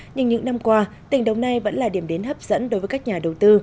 nhưng những năm qua tình đồng này vẫn là điểm đến hấp dẫn đối với các nhà đầu tư